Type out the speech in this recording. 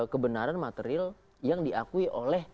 kebenaran material yang diakui oleh